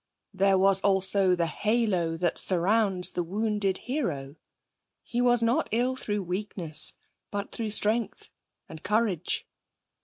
There was also the halo that surrounds the wounded hero. He was not ill through weakness, but through strength and courage.